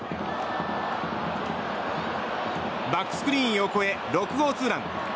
バックスクリーンを越え６号ツーラン。